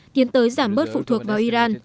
tiến tới giảm bớt phụ thuộc vào iran